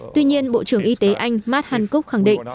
tuy nhiên bộ trưởng y tế anh matt hancock khẳng định